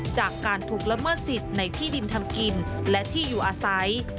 จากการถูกละเมิดสิทธิ์ในที่ดินทำกินและที่อยู่อาศัย